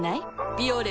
「ビオレ」